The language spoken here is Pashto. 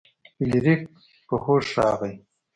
فلیریک په هوښ راغی.